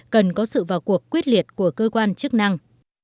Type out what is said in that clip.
cần có sự vào cuộc quyết liệt của cơ quan chức năng